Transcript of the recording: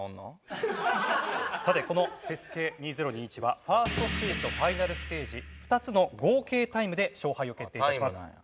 さてこのＳＥＳＵＫＥ２０２１は１ｓｔステージとファイナルステージ２つの合計タイムで勝敗を決定致します。